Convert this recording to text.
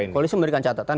koalisi memberikan catatan